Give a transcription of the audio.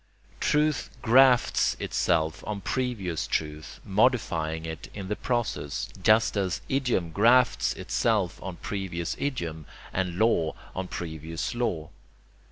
Truth grafts itself on previous truth, modifying it in the process, just as idiom grafts itself on previous idiom, and law on previous law.